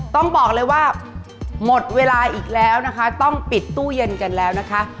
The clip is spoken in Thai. ต้องบอกเลยว่าหมดเวลาอีกแล้วนะคะต้องปิดตู้เย็นกันแล้วนะคะ